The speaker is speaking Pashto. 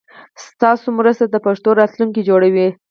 ستاسو مرسته د پښتو راتلونکی جوړوي.